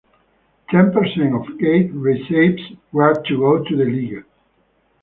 Ten percent of gate receipts were to go to the league.